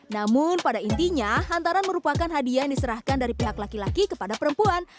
namun pada intinya hantaran merupakan hadiah yang diserahkan dari pihak laki laki kepada perempuan